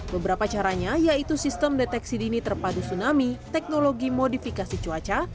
beberapa caranya yaitu sistem deteksi dini terpadu tsunami teknologi modifikasi cuaca